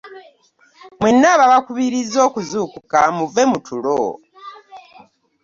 Mwenna babakubiriza okuzuukuka muvve mu tulo.